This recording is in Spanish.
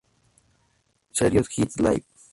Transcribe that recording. Serious Hits… Live!